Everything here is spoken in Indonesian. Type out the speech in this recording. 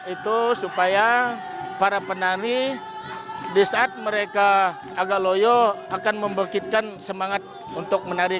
itu supaya para penari disaat mereka agak loyo akan memberkati semangat untuk menari